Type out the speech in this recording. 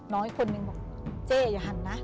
น้อยคนบอกเจอย่าหันนะ